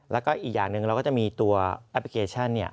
แล้วก็อีกอย่างหนึ่งเราก็จะมีตัวแอปพลิเคชัน